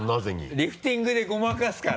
リフティングでごまかすから。